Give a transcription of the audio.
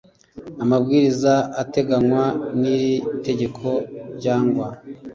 amabwiriza ateganywa n iri tegeko cyangwa